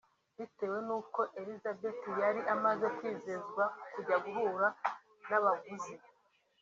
Bitewe n’uko Elisabeth yari amaze kwizezwa kujya guhura n’abaguzi